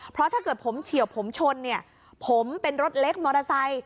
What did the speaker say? เพราะถ้าเกิดผมเฉียวผมชนเนี่ยผมเป็นรถเล็กมอเตอร์ไซค์